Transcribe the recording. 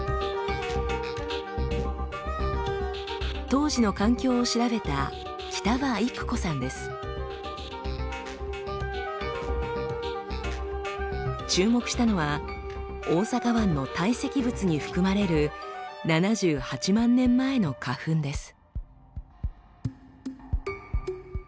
当時の環境を調べた注目したのは大阪湾の堆積物に含まれる７８万年前の花粉です。